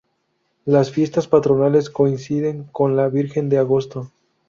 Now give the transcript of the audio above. Las fiestas patronales coinciden con la Virgen de Agosto.